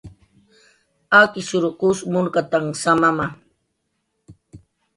Akishrw qus munkatanh samama